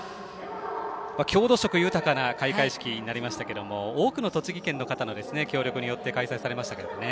郷土色豊かな開会式となりましたが多くの方の協力もあって開催されましたね。